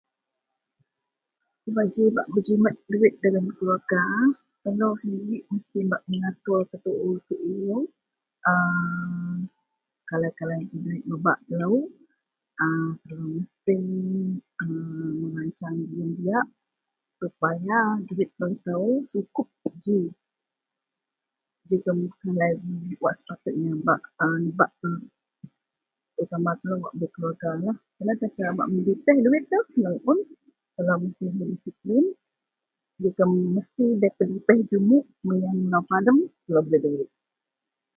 Kubaji bak bejimet duwit dagen keluwarga, telou sendirik mesti bak mengatur tetuu siew [a] telou spend [a] merancang jegem diyak sepaya duwit telou itou sukup ji jegem Kalai ji wak sepatutnya bak nebak terutama telou wak berkeluwargalah tan aan tan bak medipeh duwit itou seneng un, telou mesti berdisiplin jegem mesti bei pedipeh jumik mengenang lau padem telou debei duwit